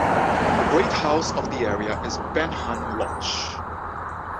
The great house of the area is Benhall Lodge.